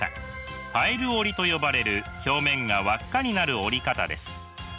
パイル織りと呼ばれる表面が輪っかになる織り方です。